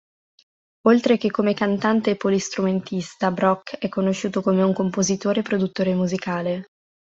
Oltre che come cantante e polistrumentista, Brock è conosciuto come compositore e produttore musicale.